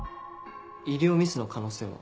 医療ミスの可能性は？